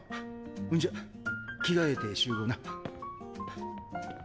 んじゃ着替えて集合な。